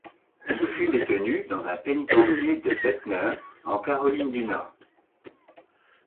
Il fut détenu dans un pénitencier de Butner en Caroline du Nord.